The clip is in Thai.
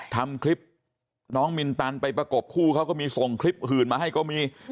ทำคลิปน้องมินตันไปประกบคู่เขาก็มีส่งคลิปหื่นมาให้ก็มี